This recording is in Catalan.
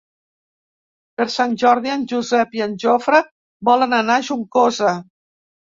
Per Sant Jordi en Josep i en Jofre volen anar a Juncosa.